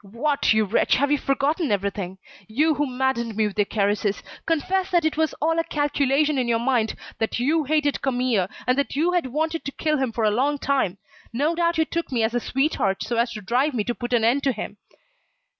What, you wretch, have you forgotten everything? You who maddened me with your caresses! Confess that it was all a calculation in your mind, that you hated Camille, and that you had wanted to kill him for a long time. No doubt you took me as a sweetheart, so as to drive me to put an end to him."